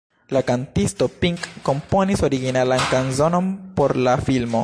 La kantisto Pink komponis originalan kanzonon por la filmo.